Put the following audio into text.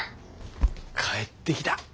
帰ってきた。